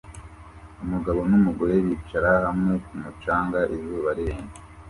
Umugabo n'umugore bicara hamwe ku mucanga izuba rirenze